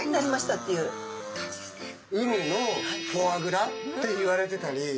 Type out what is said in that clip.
海のフォアグラっていわれてたり。